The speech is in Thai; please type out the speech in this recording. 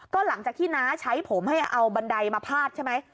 ก็หลังจากที่น้าใช้ผมให้เอาบันไดมาพาดใช่ไหม